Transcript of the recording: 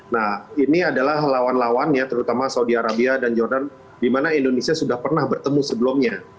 nah ini adalah lawan lawannya terutama saudi arabia dan jordan di mana indonesia sudah pernah bertemu sebelumnya